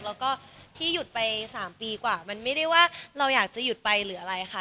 แล้วก็ที่หยุดไป๓ปีกว่ามันไม่ได้ว่าเราอยากจะหยุดไปหรืออะไรค่ะ